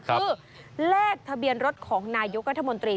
คือแรกทะเบียนรถของนายุคกัธมนตรี